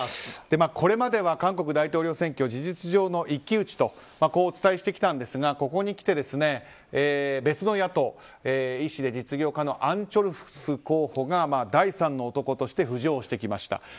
これまでは韓国大統領選挙事実上の一騎打ちとお伝えしてきたんですがここにきて、別の野党医師で実業家のアン・チョルス候補が第３の男として浮上してきました。